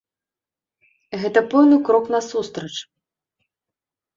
Гэта пэўны крок насустрач.